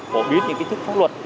phổ biến những kiến thức pháp luật